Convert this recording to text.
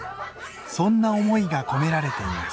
そんな思いが込められています。